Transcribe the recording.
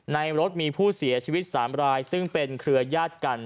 ในรถมีผู้เสียชีวิต๓รายซึ่งเป็นเครือญาติกัน